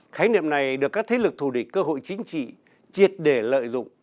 khái niệm này được các thế lực thù địch cơ hội chính trị triệt để lợi dụng